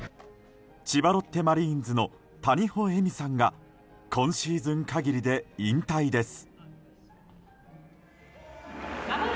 千葉ロッテマリーンズの谷保恵美さんが今シーズン限りで引退です。